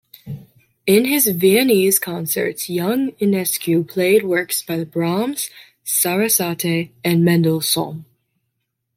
In his Viennese concerts young Enescu played works by Brahms, Sarasate and Mendelssohn.